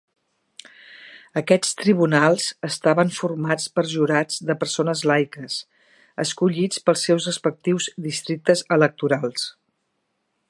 Aquests tribunals estaven formats per jurats de persones laiques, escollits pels seus respectius districtes electorals.